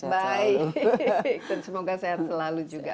baik dan semoga sehat selalu juga